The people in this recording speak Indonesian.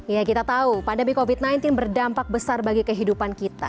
ya kita tahu pandemi covid sembilan belas berdampak besar bagi kehidupan kita